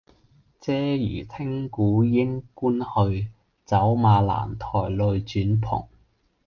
嗟余聽鼓應官去，走馬蘭台類轉蓬。